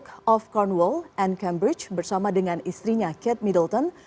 check of cornwall and cambridge bersama dengan istrinya kate middleton